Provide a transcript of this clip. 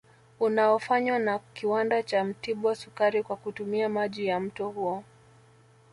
Unaofanywa na Kiwanda cha Mtibwa sukari kwa kutumia maji ya mto huo